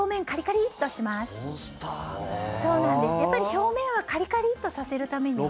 表面をカリカリッとさせるためには。